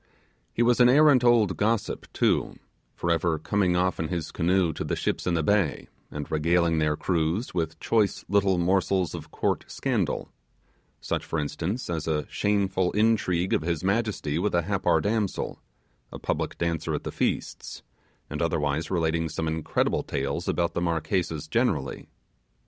He was an arrant old gossip too; for ever coming off in his canoe to the ships in the bay, and regaling their crews with choice little morsels of court scandal such, for instance, as a shameful intrigue of his majesty with a Happar damsel, a public dancer at the feasts and otherwise relating some incredible tales about the Marquesas generally.